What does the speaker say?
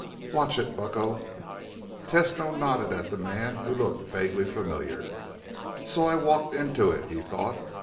"Watch it, Bucko." Tesno nodded at the man, who looked vaguely familiar. So I walked into it, he thought.